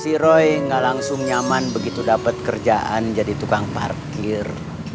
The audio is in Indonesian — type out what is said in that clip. si roy gak langsung nyaman begitu dapet kerjaan jadi tukang parkir